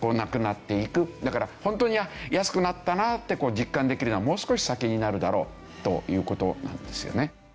だから本当に安くなったなって実感できるのはもう少し先になるだろうという事なんですよね。